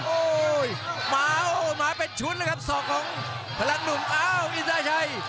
โอ้ยหมาเป็นชุดนะครับสอบของพลังหนุ่มอ้าวอินทราชัย